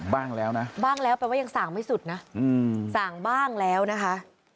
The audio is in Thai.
บ้างแล้วนะบ้างแล้วแปลว่ายังสั่งไม่สุดนะสั่งบ้างแล้วนะคะ